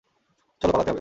চল, পালাতে হবে।